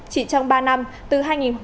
chỉ trong ba năm từ